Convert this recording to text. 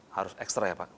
harus ekstra ya pak